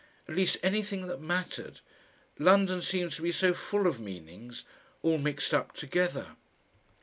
At least anything that mattered.... London seems to be so full of meanings all mixed up together."